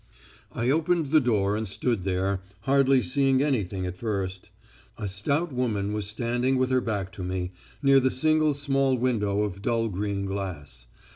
"I opened the door and stood there, hardly seeing anything at first. A stout woman was standing with her back to me, near the single small window of dull green glass.